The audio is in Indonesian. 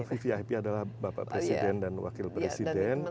vvip adalah bapak presiden dan wakil presiden